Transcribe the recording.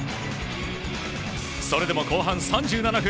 それでも後半３７分。